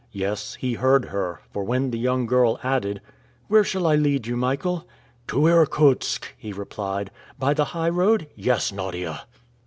Yes! he heard her, for when the young girl added, "Where shall I lead you, Michael?" "To Irkutsk!" he replied. "By the highroad?" "Yes, Nadia."